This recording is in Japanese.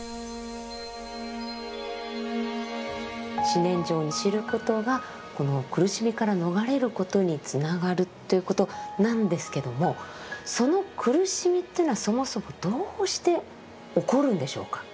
四念処を知ることがこの苦しみから逃れることにつながるということなんですけどもその苦しみというのはそもそもどうして起こるんでしょうか？